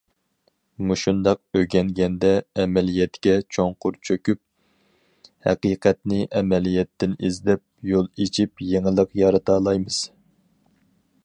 مۇشۇنداق ئۆگەنگەندە، ئەمەلىيەتكە چوڭقۇر چۆكۈپ، ھەقىقەتنى ئەمەلىيەتتىن ئىزدەپ، يول ئېچىپ يېڭىلىق يارىتالايمىز.